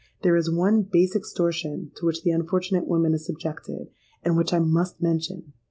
There is one base extortion to which the unfortunate woman is subjected, and which I must mention.